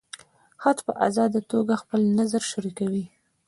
خلک په ازاده توګه خپل نظر شریکوي.